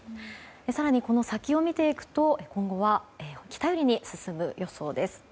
更にこの先を見ていくと今後は北寄りに進む予想です。